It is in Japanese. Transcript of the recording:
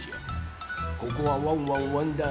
ここはワンワンわんだー